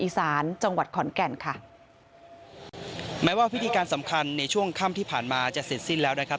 สำคัญในช่วงค่ำที่ผ่านมาจะเสร็จสิ้นแล้วนะครับ